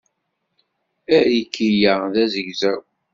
Ariki-a d azegzaw.